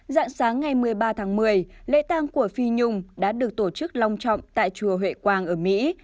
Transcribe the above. dặn sáng ngày một mươi ba tháng một mươi lễ tăng của phi nhung đã được tổ chức long trọng tại chùa hội quang ở mỹ